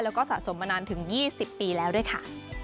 แล้วก็สะสมมานานถึง๒๐ปีแล้วด้วยค่ะ